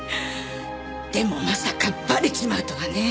でもまさかバレちまうとはね。